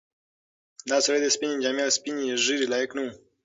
دا سړی د سپینې جامې او سپینې ږیرې لایق نه و.